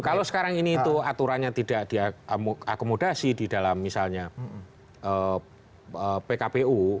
kalau sekarang ini itu aturannya tidak diakomodasi di dalam misalnya pkpu